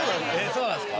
そうなんですか？